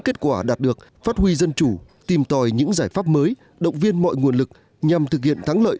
kết quả đạt được phát huy dân chủ tìm tòi những giải pháp mới động viên mọi nguồn lực nhằm thực hiện thắng lợi